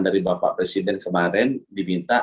dari bapak presiden kemarin diminta